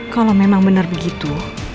kalau memang benar begitu